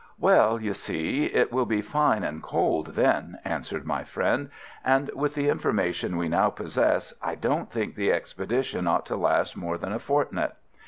"Well, you see, it will be fine and cold then," answered my friend; "and with the information we now possess I don't think the expedition ought to last more than a fortnight."